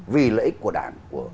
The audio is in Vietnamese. vì lợi ích của đảng